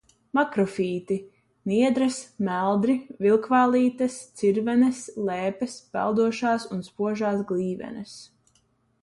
Makrofīti – niedres, meldri, vilkvālītes, cirvenes, lēpes, peldošās un spožās glīvenes.